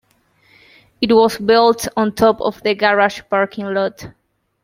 It was built on top of the garage parking lot.